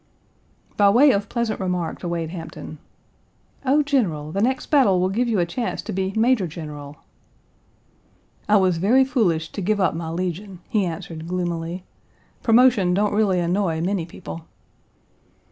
By way of pleasant remark to Wade Hampton: "Oh, General! The next battle will give you a chance to be major general." "I was very foolish to give up my Legion," he answered gloomily. "Promotion don't really annoy many people."